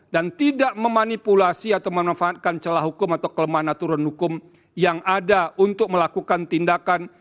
dan tidak memanipulasi atau memanfaatkan celah hukum atau kelemahan aturan hukum yang ada untuk melakukan tindakan